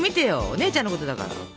お姉ちゃんのことだから。